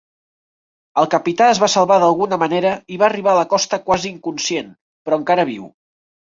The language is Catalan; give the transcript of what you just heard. El capità es va salvar d'alguna manera i va arribar a la costa quasi inconscient, però encara viu.